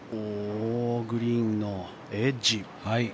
グリーンのエッジ。